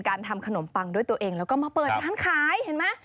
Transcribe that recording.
ทำขนมปังด้วยตัวเองแล้วก็มาเปิดร้านขายเห็นไหม